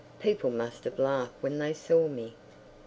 People must have laughed when they saw me....